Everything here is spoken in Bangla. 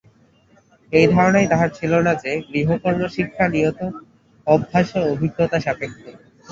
এই ধারণাই তাহার ছিল না যে, গৃহকর্মশিক্ষা নিয়ত অভ্যাস ও অভিজ্ঞতাসাপেক্ষ।